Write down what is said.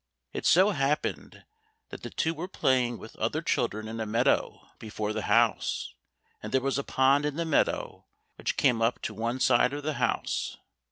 It so happened that the two were playing with other children in a meadow before the house, and there was a pond in the meadow which came up to one side of the house.